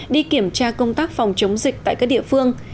đi kiểm tra công tác phòng chống dịch tại các địa phương